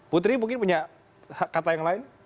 putri mungkin punya kata yang lain